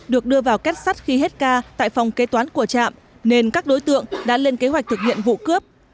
được đưa vào kết sắt khi hết ca tại phòng kế toán của trạm nên các đối tượng đã lên kế hoạch thực hiện vụ cướp